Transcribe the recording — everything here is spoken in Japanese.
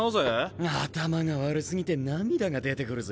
頭が悪過ぎて涙が出てくるぜ。